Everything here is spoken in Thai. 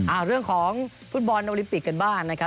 เอาเรื่องของฟุตบอลโอลิมปิกกันบ้างนะครับ